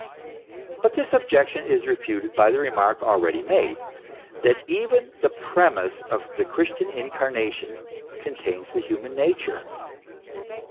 But this objection is refuted by the remark already made, that even the premiss of the Christian Incarnation contains the human nature.